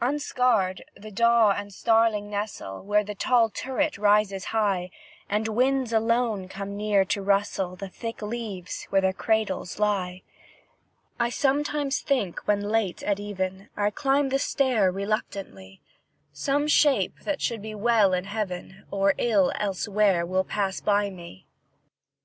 Unscared, the daw and starling nestle, Where the tall turret rises high, And winds alone come near to rustle The thick leaves where their cradles lie, I sometimes think, when late at even I climb the stair reluctantly, Some shape that should be well in heaven, Or ill elsewhere, will pass by me.